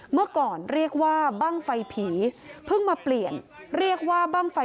เมื่อก่อนเรียกว่าบ้างไฟผีเพิ่งมาเปลี่ยนเรียกว่าบ้างไฟ